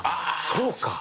そうか。